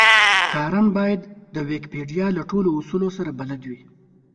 کارن بايد د ويکيپېډيا له ټولو اصولو سره بلد وي.